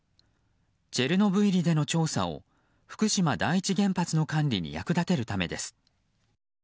チェルノブイリでの調査を福島第一原発の管理に役立てるためです。